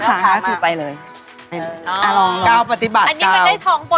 หายใจเข้าออก